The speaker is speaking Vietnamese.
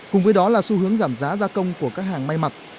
cùng với đó là xu hướng giảm giá gia công của các hàng may mặc